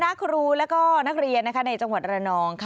ธนครูและก็นักเรียนนะคะในจังหวัดอรณอ่อน